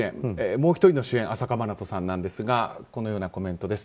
もう１人の主演朝夏まなとさんなんですがこのようなコメントです。